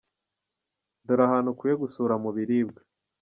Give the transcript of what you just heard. Dore ahantu ukwiye gusura mu Ibirwa.